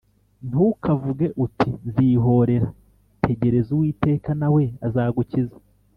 ntukavuge uti “nzihōrera” tegereza uwiteka na we azagukiza